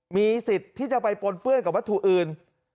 มีสิทธิ์ที่จะไปปนเปื้อนกับวัตถุอื่น